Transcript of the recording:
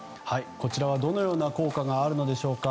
こちらはどのような効果があるのでしょうか。